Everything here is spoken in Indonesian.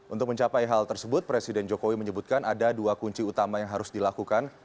untuk mencapai hal tersebut presiden jokowi menyebutkan ada dua kunci utama yang harus dilakukan